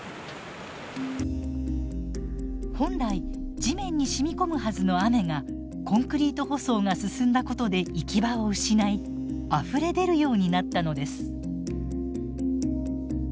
本来地面に染み込むはずの雨がコンクリート舗装が進んだことで行き場を失いあふれ出るようになったのです。